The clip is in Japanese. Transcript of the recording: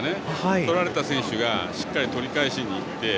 とられた選手がしっかり取り返しに行って。